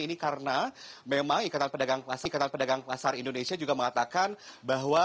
ini karena memang ikatan pedagang pasar indonesia juga mengatakan bahwa